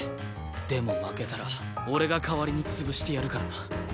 でも負けたら俺が代わりに潰してやるからな。